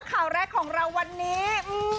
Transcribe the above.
ข่าวแรกของเราวันนี้